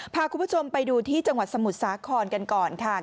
พาคุณผู้ชมไปดูที่จังหวัดสมุทรสาครกันก่อนค่ะ